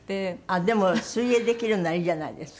でも水泳できるんならいいじゃないですか。